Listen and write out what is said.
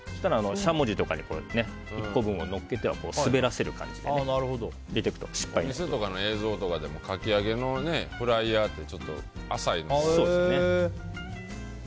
しゃもじなどで１個分をのっけて滑らせる感じで入れていくと店の映像とかでもかき揚げのフライヤーってちょっと浅いですよね。